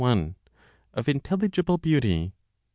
Of Intelligible Beauty.